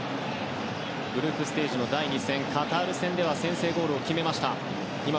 グループステージの第２戦カタール戦では先制ゴールを決めました。